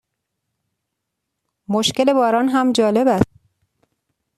مشکل باران هم جالب است.